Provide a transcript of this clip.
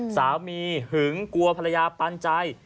สามีหึงกลัวภรรยาปันใจ